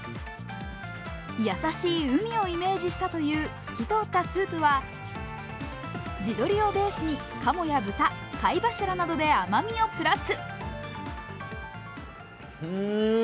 優しい海をイメージしたという透き通ったスープは地鶏をベースに鴨や豚、貝柱などで甘みをプラス。